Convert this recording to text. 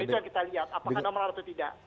itu yang kita lihat apakah normal atau tidak